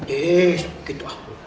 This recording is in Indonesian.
eish gitu ah